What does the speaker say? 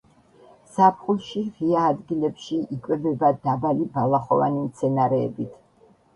ზაფხულში ღია ადგილებში იკვებება დაბალი ბალახოვანი მცენარეებით.